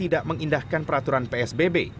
tidak mengindahkan peraturan psbb